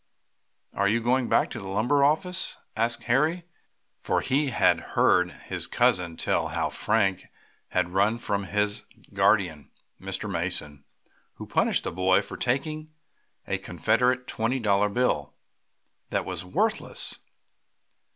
"Are you going back to the lumber office?" asked Harry, for he had heard his cousin tell how Frank had run away from his guardian, Mr. Mason, who punished the boy for taking in a Confederate twenty dollar bill, that was worthless.